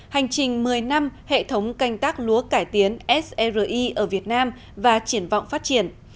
hành trình một mươi năm hệ thống canh tác lúa cải tiến sri ở việt nam và triển vọng phát triển